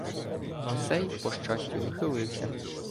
Но сей, по щастю, ухилився